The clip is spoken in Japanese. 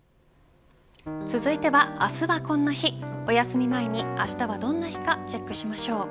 続いてはあすはこんな日おやすみ前にあしたはどんな日かチェックしましょう。